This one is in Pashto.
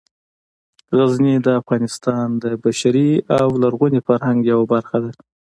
غزني د افغانستان د بشري او لرغوني فرهنګ یوه برخه ده.